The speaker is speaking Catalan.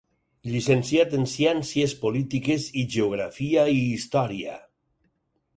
Llicenciat en Ciències Polítiques i Geografia i Història.